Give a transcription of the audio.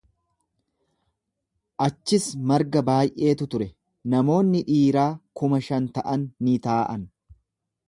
Achis marga baay’eetu ture, namoonni dhiiraa kuma shan ta’an ni taa’an.